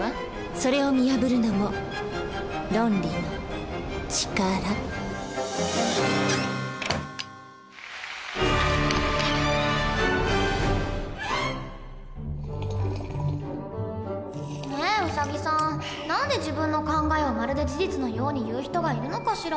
それを見破るのも「ロンリのちから」。ねえウサギさん何で自分の考えをまるで事実のように言う人がいるのかしら。